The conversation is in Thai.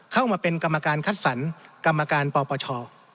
เข้ามาเป็นกรรมการคัดสรรกรรมการปปช